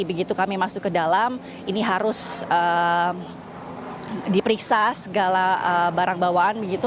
begitu kami masuk ke dalam ini harus diperiksa segala barang bawaan begitu